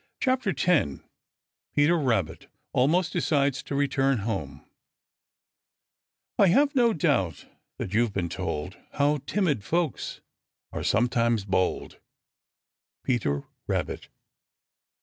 CHAPTER X PETER RABBIT ALMOST DECIDES TO RETURN HOME I have no doubt that you've been told How timid folks are sometimes bold. Peter Rabbit.